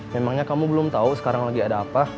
memang kamu belum tau sekarang lagi ada apa